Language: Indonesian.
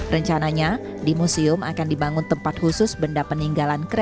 rencananya di museum akan dibangun tempat khusus benda peninggalan kereta